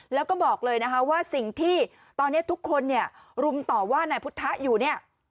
แล้วก็บอกเลยนะคะว่าสิ่งที่ตอนนี้ทุกคนเนี่ยรุมต่อว่านายพุทธะอยู่เนี่ย